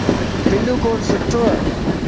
بلو ڪوٽ سھڻوو